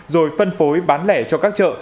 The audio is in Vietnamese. rồi phân phối bán lẻ cho các chợ